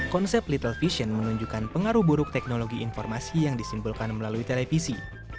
konsep little vision menunjukkan pengaruh buruk teknologi informasi yang disimpulkan melalui televisi